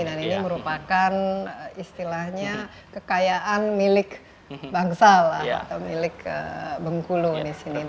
dan ini merupakan istilahnya kekayaan milik bangsal atau milik bengkulu di sini